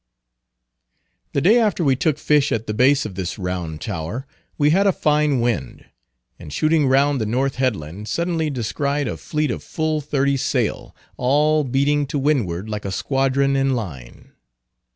The day after we took fish at the base of this Round Tower, we had a fine wind, and shooting round the north headland, suddenly descried a fleet of full thirty sail, all beating to windward like a squadron in line.